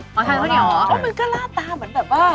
อ๋อทานข้าวเหนียวเหรอใช่อ๋อมันก็ล่าตาเหมือนแบบว่าอ๋อ